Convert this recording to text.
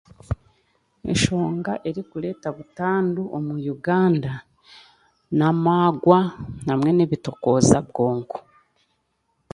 Enshonga erikureeta butandu omu Uganda, n'amagwa hamwe n'ebitokooza bwongo